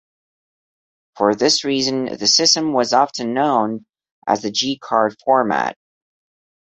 For this reason, the system was often known as the "G-card format".